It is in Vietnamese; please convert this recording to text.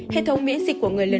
hệ thống miễn dịch của người lớn